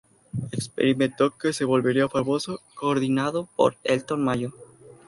Experimento que se volvería famoso, coordinado por Elton Mayo.